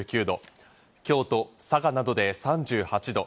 京都、佐賀などで３８度。